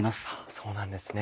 そうなんですね。